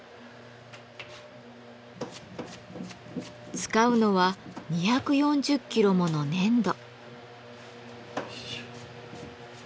使うのは２４０キロもの粘土。